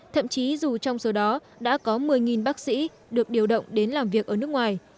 thậm chí dù trong số đó đã có một mươi bác sĩ được điều động đến làm việc ở nước ngoài